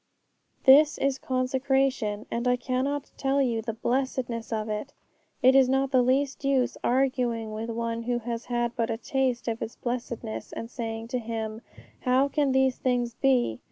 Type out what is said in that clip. This is consecration, and I cannot tell you the blessedness of it. It is not the least use arguing with one who has had but a taste of its blessedness, and saying to him, 'How can these things be?'